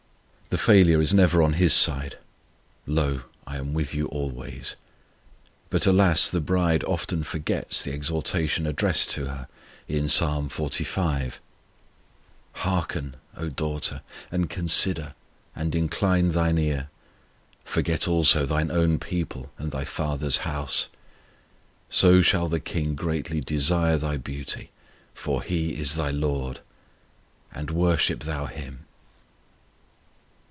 The failure is never on His side. "Lo, I am with you alway." But, alas, the bride often forgets the exhortation addressed to her in Ps. xlv.: Hearken, O daughter, and consider, and incline thine ear; Forget also thine own people, and thy father's house; So shall the KING greatly desire thy beauty: For He is thy Lord; and worship thou Him.